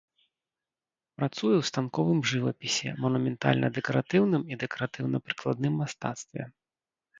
Працуе ў станковым жывапісе, манументальна-дэкаратыўным і дэкаратыўна-прыкладным мастацтве.